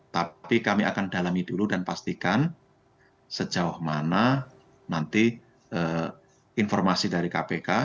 tapi kami akan dalami dulu dan pastikan sejauh mana nanti informasi dari kpk